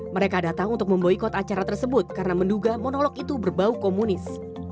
mereka datang untuk memboykot acara tersebut karena menduga monolog itu berbau komunis